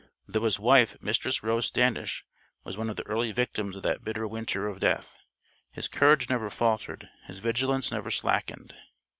Though his wife, Mistress Rose Standish, was one of the early victims of that bitter winter of death, his courage never faltered, his vigilance never slackened.